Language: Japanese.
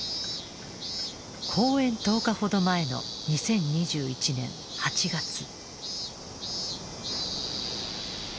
公演１０日ほど前の２０２１年８月。